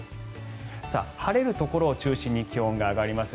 晴れるところを中心に気温が上がります。